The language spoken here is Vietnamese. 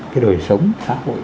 cái đời sống xã hội